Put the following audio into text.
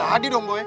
jadi dong boy